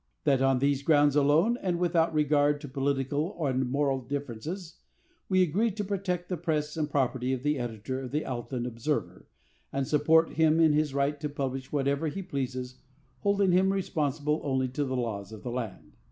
That on these grounds alone, and without regard to political and moral differences, we agree to protect the press and property of the editor of the Alton Observer, and support him in his right to publish whatever he pleases, holding him responsible only to the laws of the land.